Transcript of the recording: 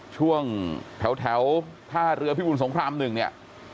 ช่วงแถวท่าเรือพิบูลสงคราม๑เนี่ย